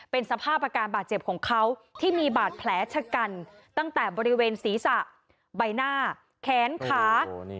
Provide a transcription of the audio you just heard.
เป็นสภาพอาการบาดเจ็บของเขาที่มีบาดแผลชะกันตั้งแต่บริเวณศีรษะใบหน้าแขนขา